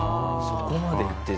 そこまでいってた。